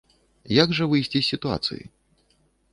Як жа выйсці з сітуацыі?